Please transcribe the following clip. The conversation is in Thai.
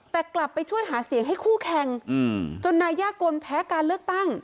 แต่กลับไปช่วยหาเสียงให้คู่แข่งจนนายยากลแพ้การเลือกตั้ง